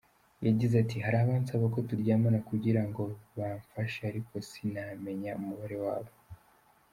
Yagize ati "Hari abansaba ko turyamana kugira ngo bamfashe ariko sinamenya umubare wabo.